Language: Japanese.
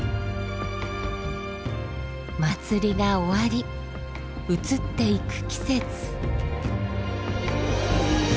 祭りが終わり移っていく季節。